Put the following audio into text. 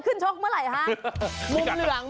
ก็นชกเมื่อไหร่ครับ